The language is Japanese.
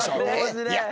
いや。